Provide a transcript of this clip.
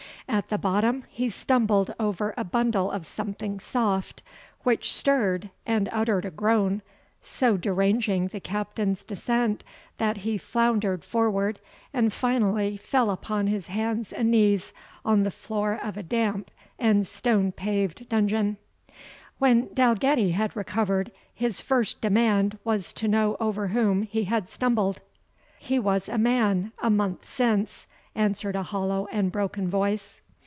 At the bottom he stumbled over a bundle of something soft, which stirred and uttered a groan, so deranging the Captain's descent, that he floundered forward, and finally fell upon his hands and knees on the floor of a damp and stone paved dungeon. When Dalgetty had recovered, his first demand was to know over whom he had stumbled. "He was a man a month since," answered a hollow and broken voice.